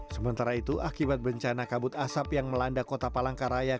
sementara itu akibat bencana kabut asap yang melanda kota palangkaraya